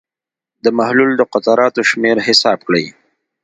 د محلول د قطراتو شمېر حساب کړئ.